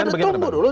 tidak ada tunggu dulu